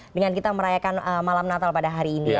dengan kita merayakan malam natal pada hari ini